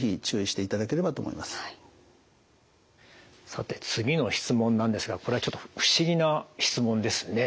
さて次の質問なんですがこれはちょっと不思議な質問ですね。